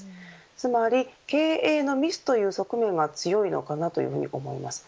つまり経営のミスという側面が強いのかなというふうに思います。